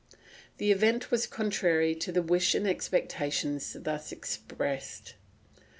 '" The event was contrary to the wish and expectation thus expressed.